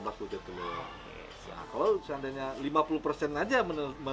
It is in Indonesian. nah kalau seandainya lima puluh saja menerima